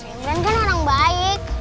imran kan orang baik